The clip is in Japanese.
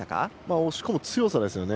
押し込む強さですよね。